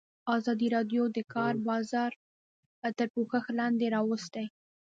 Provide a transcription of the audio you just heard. ازادي راډیو د د کار بازار موضوع تر پوښښ لاندې راوستې.